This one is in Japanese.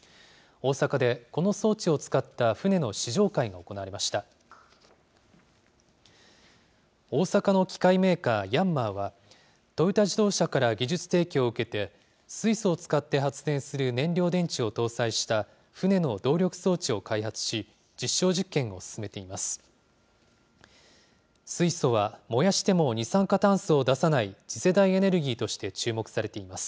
大阪の機械メーカー、ヤンマーは、トヨタ自動車から技術提供を受けて、水素を使って発電する燃料電池を搭載した船の動力装置を開発し、実証実験を進めています。